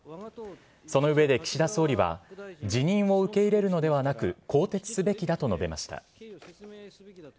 その上で岸田総理は、辞任を受け入れるのではなく、更迭すべきだと述べました。